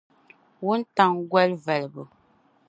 wuntaŋ goli valibu.